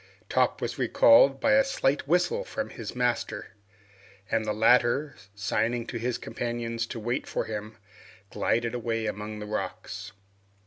Top was recalled by a slight whistle from his master, and the latter, signing to his companions to wait for him, glided away among the rocks.